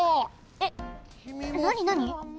えっなになに？